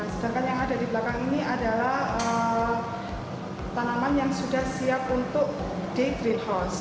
sedangkan yang ada di belakang ini adalah tanaman yang sudah siap untuk di greenhouse